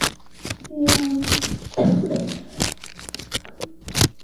Williams directed the school from its founding to until his death.